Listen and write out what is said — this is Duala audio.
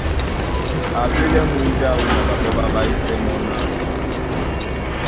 A ɓélɛ́ múnja áō na ɓaɓɔ́ ɓá ɓáísɛ́ mɔ́ ná: